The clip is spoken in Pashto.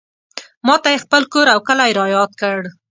ماته یې خپل کور او کلی رایاد کړ.